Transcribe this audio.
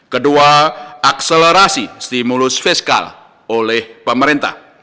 kedua akselerasi stimulus fiskal oleh pemerintah